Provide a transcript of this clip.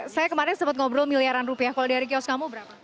saya kemarin sempat ngobrol miliaran rupiah kalau dari kios kamu berapa